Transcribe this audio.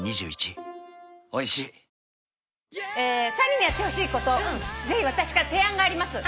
「３人にやってほしいことぜひ私から提案があります」